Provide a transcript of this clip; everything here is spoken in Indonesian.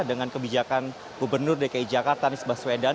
dengan kebijakan gubernur dki jakarta anies baswedan